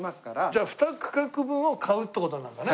じゃあ２区画分を買うっていう事になるんだね。